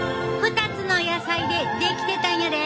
２つの野菜で出来てたんやで！